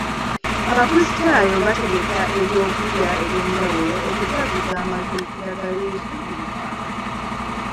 Abakrisitaayo bategeka eby'okulya eby'enjawulo okujaguza amazuukira ga Yesu buli mwaka.